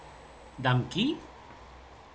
Damb qui?